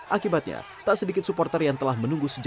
akibatnya tak sedikit supporter yang telah menunggu suatu hal ini